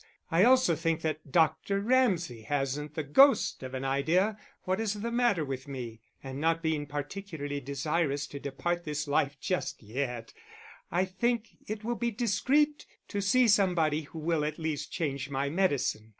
I also think that Dr. Ramsay hasn't the ghost of an idea what is the matter with me, and not being particularly desirous to depart this life just yet, I think it will be discreet to see somebody who will at least change my medicine.